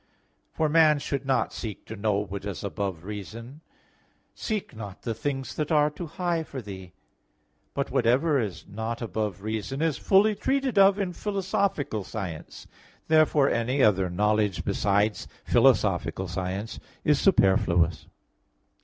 For man should not seek to know what is above reason: "Seek not the things that are too high for thee" (Ecclus. 3:22). But whatever is not above reason is fully treated of in philosophical science. Therefore any other knowledge besides philosophical science is superfluous.